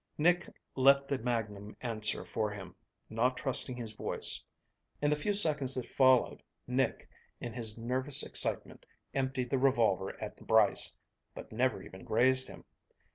Nick let the magnum answer for him, not trusting his voice. In the few seconds that followed Nick, in his nervous excitement, emptied the revolver at Brice, but never even grazed him.